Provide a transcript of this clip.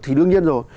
thì đương nhiên rồi